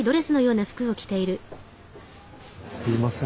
すいません。